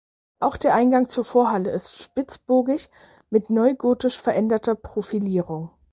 Auch der Eingang zur Vorhalle ist spitzbogig mit neugotisch veränderter Profilierung.